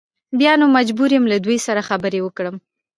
بیا نو مجبور یم له دوی سره خبرې وکړم.